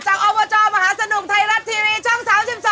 จากโอเวอร์จอร์มหาสนุกไทยรัฐทีวีช่อง๓๒